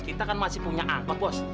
kita kan masih punya angkot bos